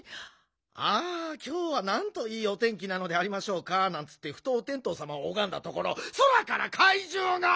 ああきょうはなんといいお天気なのでありましょうかなんつってふとおてんとうさまをおがんだところ空からかいじゅうが！